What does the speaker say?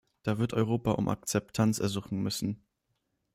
Da wird Europa um Akzeptanz ersuchen müssen.